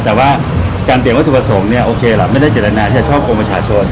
แต่ว่าการเปลี่ยนวัตถุประสงค์เนี่ยโอเคล่ะไม่ได้เจตนาที่จะช่อกงประชาชน